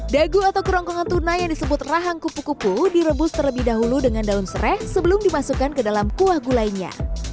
dagu atau kerongkongan tuna yang disebut rahang kupu kupu direbus terlebih dahulu dengan daun serai sebelum dimasukkan ke dalam kuah gulainya